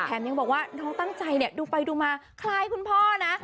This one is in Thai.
แถมยังบอกว่าน้องตั้งใจดูไปดูมาคลายคุณพ่อนะ